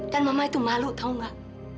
dan mama itu malu tahu nggak